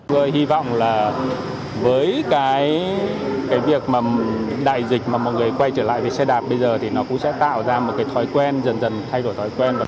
thấy cái việc mà đại dịch mà mọi người quay trở lại với xe đạp bây giờ thì nó cũng sẽ tạo ra một cái thói quen dần dần thay đổi thói quen